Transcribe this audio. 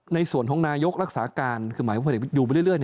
ในส่วนของนายกรักษาการคือหมายความเด็กอยู่ไปเรื่อย